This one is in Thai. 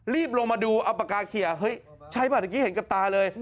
รีบลงมาดูเอาปากกาเคียร์เฮ้ยใช้บัตรตัวนี้เห็นกับตาเลย